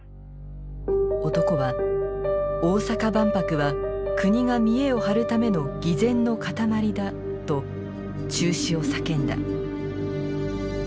男は「大阪万博は国がみえを張るための偽善の塊だ」と中止を叫んだ。